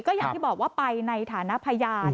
ก็อย่างที่บอกว่าไปในฐานะพยาน